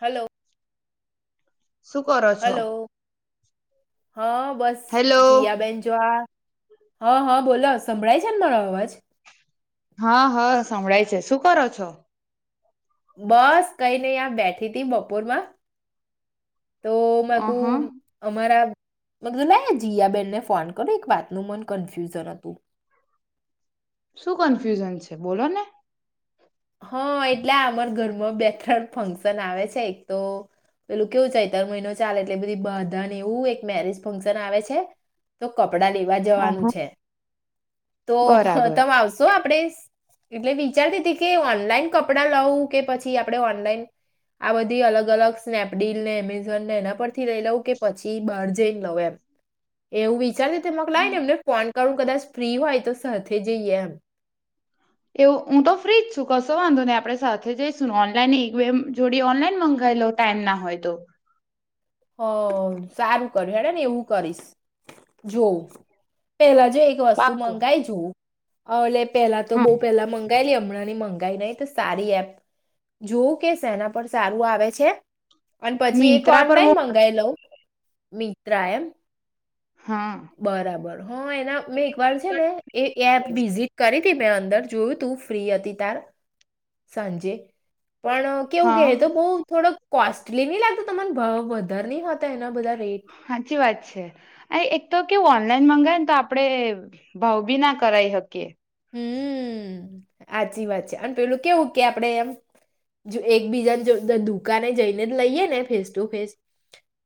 Hello. શું કરો છો? હલો હા બસ હેલો જયા બેન જો આ હા હા બોલો સંભળાય છે ને મારો આવાજ? હા હા સંભળાય છે શું કરો છો? બસ કઈ નઈ આ બેઠી હતી બપોરમાં. તો મેં ક અહ અમારા મગજલા જિયાબેનને ફોન કરો એક વાતનું મન કન્ફ્યુઝન હતું. શું કન્ફ્યુઝન છે બોલો ને? હા એટલે અમાર ઘરમાં બે ત્રણ ફંક્શન આવે છે એક તો, પેલું કેવું ચૈત્ર મહિનો ચાલે એટલે બધી બાધા ને એવું એક મેરેજ ફંક્શન આવે છે, તો ક કપડા લેવા અહ જવાનું છે, તો બરાબર તમે આવશો આપડે એટલે વિચારતી હતી કે ઓનલાઈન કપડા લાવું કે પછી આપડે ઓનલાઈન આ બધી અલગ અલગ સ્નેપડીલ ને એમેઝોન ને એના પરથી લઈ લઉ, કે પછી બહાર જઈને લઉ એમ, એવું વિચારી મકલા ને એમને પો કરણું કદાચ ફ્રી હોય તો સાથે જઈએ એમ. એવું હું તો ફ્રીજ છું કશો વાંધોની આપણે સાથે જઈશું ને ઓનલાઈન એક બે જોડી ઓનલાઈન મંગાવલો ટાઈમ ના હોય તો. હ સારું કર્યું હેને ને એવું કરીશ, જોવું પેલા જ જ એક વસ્તુ પાક્કું મંગાઈ જો. હ લે પેલા તો હા બો પહેલા મંગ [unintelligible] હમણાં ની મંગાઈ નહી તો સારી એપ જોવું કે સેના પર સારું આવે છે અને પછી એ મિંત્રા કોણ? પર બહુ ઓનલાઇન મંગાવી લઉં મી ટ્રાયમ હા બરાબર હ એના મેં એક વાર છે ને એ એપ વિઝિટ કરી કે મેં અંદર જોયું તું ફ્રી હતી તાર સાંજે પણ કેવું કહે હા તો બઉુ થોડોક કોસ્ટલી નહી લાગતું તમને ભાવ વધારે નહી ખાતા એના બધા રેટ હાચી વાત છે આ એક તો કે ઓનલાઈન મંગાયે ને તો આપડે ભાવ બી ના કરાઈ હકીએ હમ્મ હાચી વાત છે અને પેલું કેવું કે આપણે એમ એકબીજાને જો જ દુકાને જઈને જ લઈએ ને ફેસ ટુ ફેસ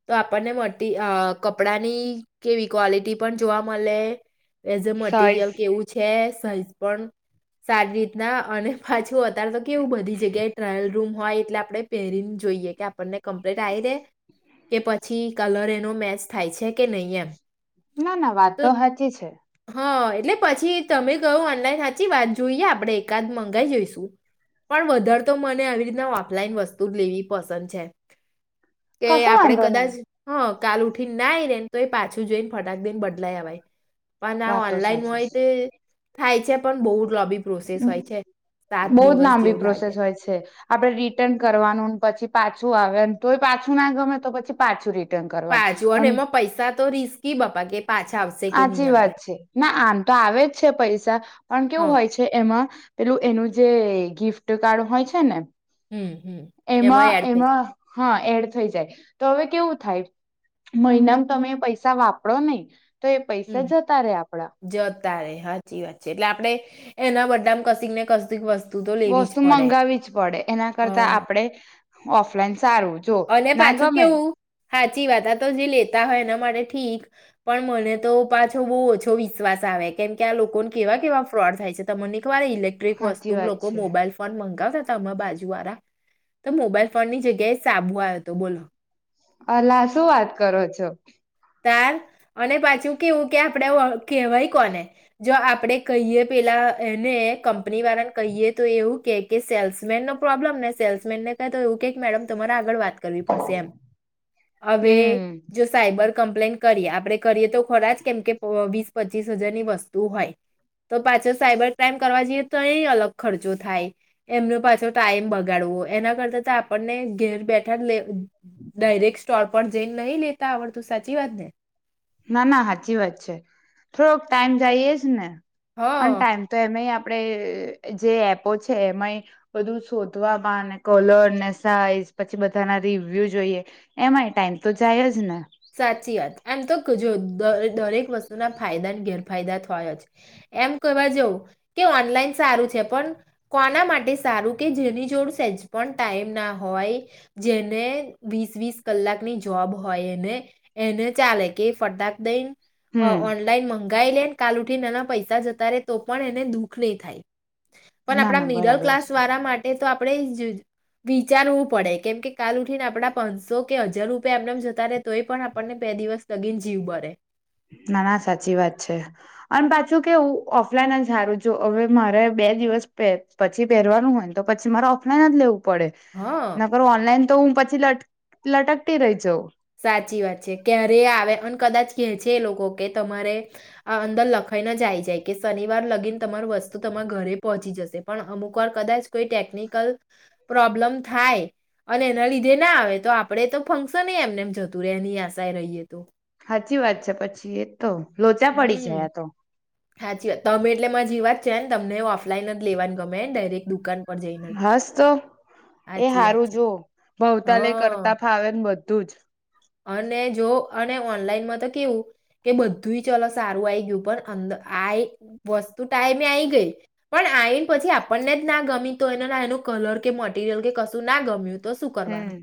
તો આપણને મડતી કપડાની કેવી ક્વોલિટી પણ જોવા મલે એઝ અ સાઈઝ મટીરિયલ કેવું છે સીઝ પણ સારી રીતના અને પાછું અતારે તો કેવું બધી જગ્યાએ ટ્રાયલ રૂમ હોય એટલે આપણે પહેરીને જોઈએ કે આપણને કમ્પ્લીટ આઈ રે. કે પછી કલર એનો મેચ થાય છે કે નહીં એમ. ના ના વાત તો સાચી છે. હા એટલે પછી તમે યું ઓનલાઈન સાચી વાત જોઈએ આપડે એકાદ મંગાઈ જઈશું, પણ વધારે તો મને આવી રીતના ઓફલાઈન વસ્તુ લેવી પસંદ છે. કે કશો આપડે વાંધો નહી કદાચ હ. કાલ ઉઠીને ના આઈ નેને તો એ પાછું જઈને ફટાક દઈને બદલાય અવાય. પણ આ વાત તો ઓનલાઈન સાચી હોય તો થાય છે પણ બહુ લોબી પ્રોસેસ હોય છે સાત બહ જ દિવસ લાંબી જેવું લાગે પ્રોસેસ હોય છે, આપડે રિટર્ન કરવાનું પછી પાછું આવે તોય પાછું ના ગમે તો પછી પાછું રી ટર્ન પાછું અને કરવાનું, એમાં પૈસા તો રિસ્કી બાપા કે પાછા આવશે કે સાચી નહીં આવે વાત છે ના આમ તો આવે જ છે પૈસા, પણ કેવું હા હોય છે. પેલું એનું જે ગિફ્ટ કાર્ડ હોય છે ને. હમ હમ એમાં એમાંય એડ થઈ જાય. એમાં હા એડ થઈ જાય, તો હવે કેવું થાય મહિનામાં તમે પૈસા વાપરો નહી. તો એ પૈસા હમ, જતા રે આપડા જતા રે સાચી વાત છે એટલે આપ આપડે, એના બધામાં કશક ને કસક વસ્ વસ્તુ મંગાવી જ પડે. એના કરતા હા આપણે ઓફલા સારું જો ના ગમેન હાચી વાત આ તો જે લેતા હોય એના માટે ઠીક પણ મને તો પાછો બહુ ઓછો વિશ્વાસ આવે કેમ કે આ લોકોને કેવા કેવા ફ્રોડ થાય છે તમની કવા ઇલેક્ટ્રિક વસ્તુ સાચી વાત લોકો છે મોબાઈલ ફોન મંગાવ અ હમાર બાજુ વાળા તો મોબાઈલ ફોન ની જગ્યાએ સાબુઆયો તો બોલો. અલા શું વાત કરો છો. તાર. અને પાછું કેવું ક્યાં આપણેે ઓ કહેવાય કોને જો આપણેે કહીએ પેલા એને કંપની વાળાને કહીએ તો એવું કે કે સેલ્સમેન નો પ્રોબ્લેમ ને સેલ્સમેન ને કહે તો એવું કે મેડમ તમારા આગળ વા ત કર પડશે એમ. હવે હમ જો સાયબર કમ્પ્લેન કરીઆ આપણે કરીએ તો ખોરા જ કેમ કે પ વીસ પચીસ હજાર ની વસ્તુ હોય તો પાછો સાયબર ક્રાઈમ કરવા જઈએ તો એ અલગ ખર્ચો થાય. એમનો પાછો ટાઈમ બગાડવો એના કરતા તો આપણને ઘેર બેઠા લે ડાયરેક્ટ સ્ટો- પણ જેલ નહી લેતા આવડ તો સાચી વાત ને ના ના સાચી વાત છે થોડોક ટાઈમ જાય એજ ને હ અને ટાઈમ તો એમે આપ આપણે જે એપો છે એમાંય બધું શોધવામાં કલર ને સાઈઝ પછી બધાના રિવ્યુ જોઈએ એમાંય ટાઈમ તો જાય જ ને સાચી વાત એમ તો જો દરેક વસ્તુના ફાયદાને ઘેર ફાયદા થયા જ એમ કવા જવું કે ઓનલાઈન સારું છે પણ કોના માટે સારું કે જેની જોડ સેજ પણ ટાઈમ ના હોય જેને વીસ વીસ કલાકની જોબ હોય એને એને ચાલે કે ફટાક દઈ ને અ હમ ઓનલાઈન મંગાય લે કાલ ઉઠીને એના પૈસા જતા રે તો પણ એને દુઃખ નહી થાય પણ ના આપણા ના મિડલ બરાબર ક્લાસ છે વારા માટે તો આપણે જ વિચારવું પડે કેમ કે કાલ ઉઠીને આપડા પાનસો કે હજાર રૂપિયા એમનેમ જતા રે તો આપણને બે દિવસ ના ના સાચી વાત છે અને પા કેવુ ઓફલાઈન જ સારું જો હવે મારે બે દિવસ પછી પહેરવાનું હોય ને તો પછી મારે ઓફલાઈન જ લેવું પડે હા ન કર ઓનલાઈન તો હું પ લટ લટકટી રહી જાઉ સાચી વાત છે ક્યારે આવે અને કદાચ કે છે એ લોકો કે તમારે આ અંદર લખાઈને જ આ આવી જાય કે શનિવાર લગીને તમાર વસ્તુ તમારા ઘરે પહોંચી જશે પણ અમુક વાર કદાચ કોઈ ટેકનિકલ પ્રોબ્લમ થાય અને એના લીધે ના આવે તો આપડ તો ફંક્શન એમ એમ જતું રહે નહી આશા રહીએ તો સાચી વાત છે પછી એ તો લોચા પડી જાય હમ આ તો સાચી વાત તમે એટલેમાં જે વાત છેને તમને ઓફલાઈન જ લેવાનું ગમે ડાયરેક દુકાન પર જઈને જ. હાસ તો એ સાચી વાત સારું છે. જોવ ભાવતા લય એ હા કરતા ફાવે બધું જ અને જો અને ઓનલાઈનમાં તો કેવું કે બધું ચલો સારું આય ગયું પણ અર આ વસ્તુ ટાઈમે આવી ગઈ પણ આયને પછી આપણને જ ના ગમી તો એ એનું કલર કે મટીરિયલ કે કશું ના ગમ્યું તો શું હમ કરવાનું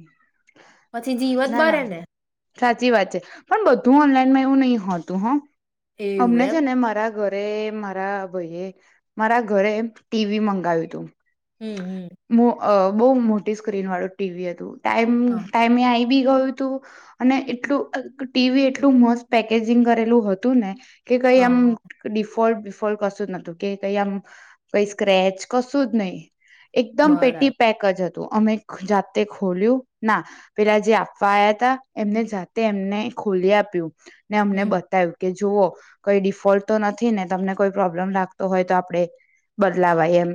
પછી જીવજ ના બરે ના ને સાચી વાત છે પણ બધું ઓનલાઈનમાં એવું નહી હોતું હા એવું અમને એમ છે ને મારા ઘર અરે મારા ભાઈએ મારા ઘરે ટીવી મંગાવ્યું તું હમ હમ મો અ બહુ મોટી સ્ક્રીન વાળું ટીવી અ હત ટાઈમ હા ટાઈમે આવી બી ગયું તું અને એટલું ટીવી એટલું મસ્ત પેકેજિંગ કરેલું હતું ને કે કઈ આમ હા ડિફોલ્ટ કશું જ નતું કે કઈ આમ કઈ સ્ક્રેચ કશું જ નહીિ એકદમ પેટી બરાબર પેક જ હત તો અમેક જાત ખોલ્યું ના પેલા જે આપવા આવયા હતા એમને જાતે એમને ખોલી આપ્યું ને અમને હમ બતાવ્યું કે જુઓ કોઈ ડિફોલ્ટ તો નથી ને તમને કોઈ પ્રોબ્લેમ લાગતો હોય તો આપણે બદલાવાય એમ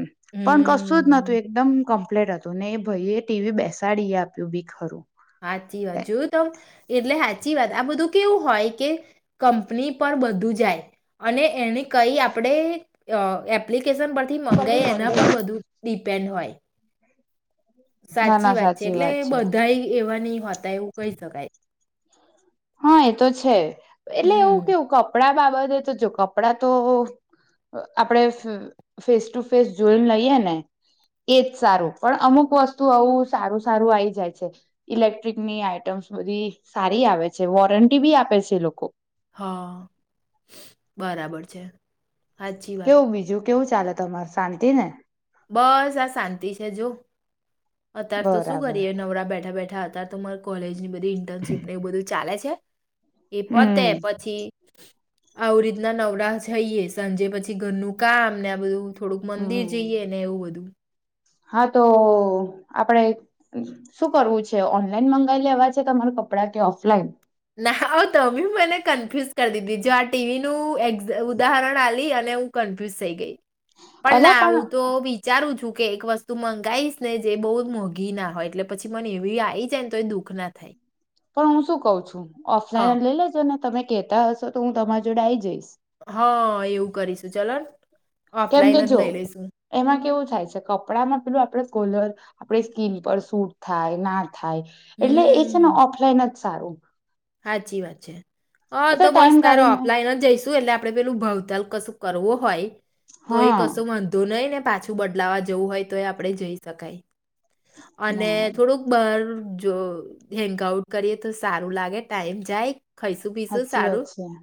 પણ કશું જ હમ નતું એકદમ કમ પપ્લેટ હતું ને એ ભાઈ એ ટીવી બે સાડી આપ્યું ભીખરું સાાચી વાત જોયું ત એટલે હાચ સાચી વાત આ બધું કેવું હોય કે કંપની પર બધું જાય અને એને કઈ આપણે એપ્લ થી મંગાય એના પર બધું પેન્ડ હોય ના સાચી ના વાત છે એટલે છે બધા એવા નહ હોતા એવું કહી શકાય હા એ તો છે એટલે એવું હમ કેવું કપડા બા બધે તો જો કપડાં તો આપણે ફેસ ટુ ફેસ જોઈને લઈએ ને એજ સારું પણ અમુક વસ્તુ આવું સારું સારું આવીઈ જાય છે ઇલેક્ટ્રિકની આઈટમ્સ બધી સારી આવે છે વોરંટી બી આપે છે એ લોકો હા બરાબર છે હચી વાત કેવું બીજું કેવું ચાલે તમાર શાંતિ ને બસ આ શાંતિ છે જો અતાર તો શું બરાબર કરીએ નવરા બેઠા બેઠા હતા ત ત તમામર કોલેજ ની બધ ઇન્ટર્નશી ને એવ બધુંા છે છે એ પતે હમ પછી આવ રીતના નવરા જઈએ સાંજે પછી ઘરનું કામને આ બધું થોડુંક મંદિર હમ જઈએ ને એવું બધું હા તો આપડે શું કરવું છે ઓનલાઈન મંગાવી લેવા છે તમાર કપડાં કે ઓફલાઈન ના તમે મને કન્ફ્યુઝ કરી દીધી જો આ ટીવીનું એ ઉદાહરણ આલી અને હું કન્ફ્યુઝ થઈ ગઈ પણ ના હું તો વિચારું છું કે એક વસ્તુ મંગાવીશ ને જે બહુ મોંઘી ના હોય એટલે પછી મને એવી આવી જાય ને તો એ દુઃખ ના થાય પણ હું શું કઉ છું હ, ઓફલાઈનજો. તમે કેહેતા હશો તો હું તમારી જોડે આઈ જઈશ. હા એવું કરીશું ચલો. કેમ કેજો એમાં કેવું. થાય છે કપડામાં પેલું આપણેેલર આપ સ્કીન પર સૂટ થાય ના. થાય એટલે એ છે ને ઓફલાઈન જ. સારું. સાાચી વાત છે. હા એ તો બસ ટાઈમ તારે કાઢીને ઓપલાઈન જ જઈશું એટલે આપડે પેલું ભાવતાલ કશું. કરવો હોય. તો એ હા કશું વાંધુ નહી ને. પાછું બદલાવા જવું હોય તો એ આપડે જઈ શકાય. અને ના થોડુંક બર. જો હેન્ંગ આઉટ કરીએ તો સારું લાગે. ટમ જાય. ખાઈશું પીશું હચી વા સારું છેી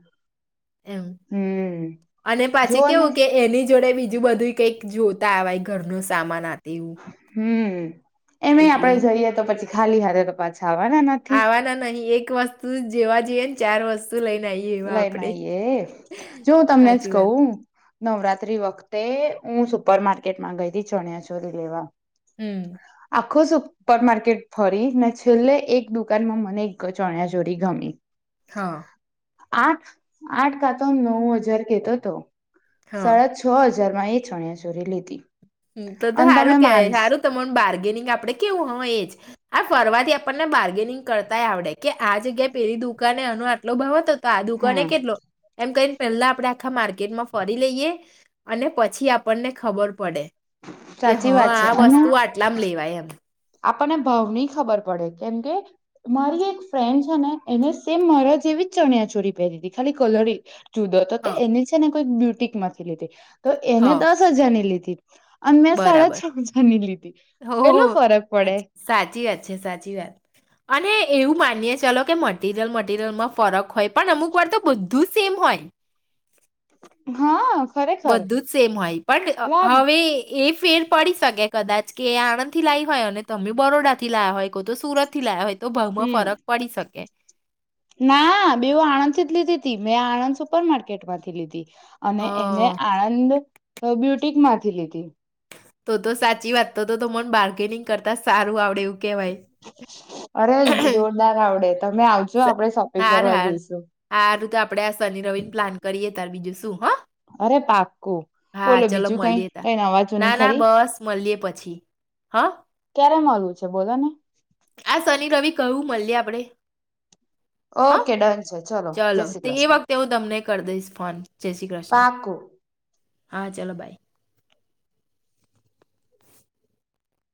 એમ હમ. અને પછી જોઓ ને કેવું કે એની. જોડે બીજું બધું કંઈક જોતાવાય ઘર ન સામાન આ. તેવું. હ. એમ એટલે આપડે જોઈએ તો પછી. ખાલી હા ક પાછ. ખાવાના નથીથી. આવાના નહીં એક વસ્તુ જેવા જઈએ ને ચાર વસ્તુ. લઈને આવીએ એવા લઈ આપડે નાઈ એ જો હું તમને જ સાચી વાત કહું. નવરાત્રી વખતે હું સુપર માર્કેટમાં ગઈ ચણ્યા ચોરી લેવા. હમ. આખો સુપર માર્કેટ ફરી ને છેલ્લે એક દુકાનમાં મને એક ચણ્યા ચોરી ગમી હા. આઠ આઠ કાતો નવ હજાર કેતોતો હા સાડા છ જ. [unintelligible] એ છણ્યા ચોરી લીધી તો તો અને સારું તમે કેવાય માનસ સારું તમારે બાર્ગેનિંગ આપડે કેવું હોય એ જ આ ફરવાથી આપણને બાર્ગેનિંગ કરતાય આવડે કે આ જગ્યાએ પેલી દુકાને આનો આટલો ભાવ હતો તો આ દુકને હા કેટલો એમ કઈ પેલા આપણે આખા માર્કેટમાં ફરી લઈએ અને પછી આપણને ખબર પડે કે સાચી હા, વાત છે આ અને વસ્તુ આટલામ લેવાય એમ આપણને ભાવ ની ખબર પડે, કેમ કે મારી એક ફ્રેન્ડ છે ને, એને સેમ મારા જેવી જ ચણિયા ચોરી પહેરી હતી ખાલી કલર જુદો હતો હ તો એની છે ને બ્યુટિકમાંથી લીધી તો હ એને દસ હજાર ની લીધી અન મેં સાડા બરાબર છ હજારની લીધી, હો હો, કેટલો ફરક પડે સાચી વાત છે, સાચી વાત અને એવું માનીયે ચાલો કે મટીરિયલ મટીરિયલમાં ફરક હોય પણ અમુક વાર તો બધું સેમ હોય હા ખરેખર બધું જ સેમ હોય પણ એટલે હવે એ ફેર પડી શકે કદાચ કે આણંદ થી લાઈ હોય અને તમે બરોડા થી લાયા હોય કોતો સુરત થી લાયા હોય તો ભાવમાં આ ફરક પડી શકે ના બેવ આણંદ થી જ લીધી તી, મેં આણંદ સુપર માર્કેટમાંથી લીધી હ અને એને આણંદ બ્યુટિક માંથી લીધી તો તો સાચી વાત તો તો તો મને બાર્ગેનિંગ કરતા સારું આવડેવું. અરે જોરદાર આવડે. તમે આવજો આપડણે શોપિંગ કરવા જઈશું. આપણેે આ શનિ રવિન પ્લાન કરીએ ત્યાર બીજું શું હા. અરે પાકું, બોલો ચલો બીજું કઈ મળીએ કઈ અવાજો નહી ખરી. હા. ક્યારે મળવું છે બોલો ને. આ શનિ રવિ કવું મળએ આપણેે. ઓકે ડન છે ચલો જય ચાલો શ્રી તો એ કૃષ્ણ વખતે હું તમને કર દઈસ ફોન. જય શ્રી કૃષ્ણ, પાકું હા ચાલો બાય.